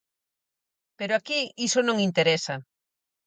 Pero aquí iso non interesa.